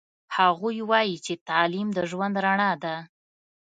هغوی وایي چې تعلیم د ژوند رڼا ده